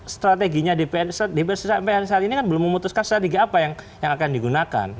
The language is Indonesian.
strateginya dpr sampai saat ini kan belum memutuskan strategi apa yang akan digunakan